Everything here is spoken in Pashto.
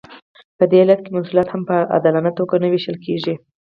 په دې حالت کې محصولات هم په عادلانه توګه نه ویشل کیږي.